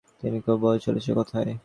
কী বউ, চলেছ কোথায়?